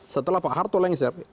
setelah pak harto lengser